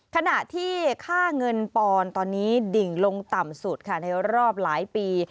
ขณะที่ค่าเงินปอนตอนนี้ดิ่งลงต่ำสุดค่ะในรอบหลายปี